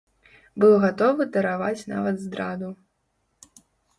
Быў гатовы дараваць нават здраду.